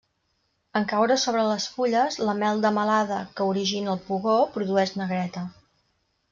En caure sobre les fulles, la mel de melada que origina el pugó produeix negreta.